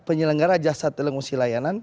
penyelenggara jasa telekomunikasi layanan